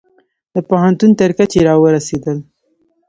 د پوهنتون تر کچې را ورسیدل